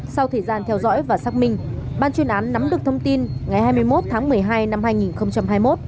sau thời gian theo dõi và xác minh ban chuyên án nắm được thông tin ngày hai mươi một tháng một mươi hai năm hai nghìn hai mươi một